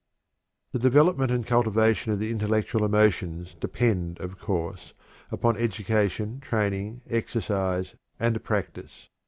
The development and cultivation of the intellectual emotions depend, of course, upon education, training, exercise, and practice.